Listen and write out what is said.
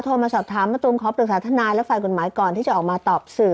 มาสอบถามมะตูมขอปรึกษาทนายและฝ่ายกฎหมายก่อนที่จะออกมาตอบสื่อ